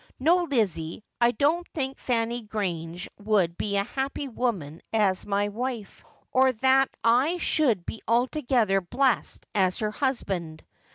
No, Lizzie, I don't think Fanny Grange would be a happy woman as my wife, or that I 'should be altogether blessed as her husband.